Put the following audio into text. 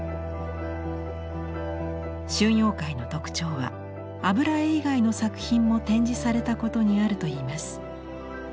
春陽会の特徴は油絵以外の作品も展示されたことにあるといいます。